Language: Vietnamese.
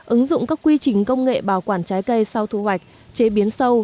ứng dụng các quy trình công nghệ bảo quản trái cây sau thu hoạch chế biến sâu